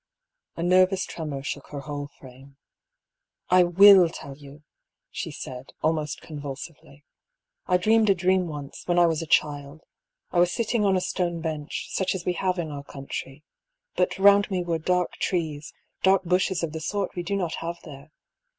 A nervous tremor shook her whole frame. " I will tell you," she said, almost convulsively. " I dreamed a dream once, when I was a child. I was sitting on a stone bench, such as we have in our coun try. But round me were dark trees, dark bushes of the sort we do not have there.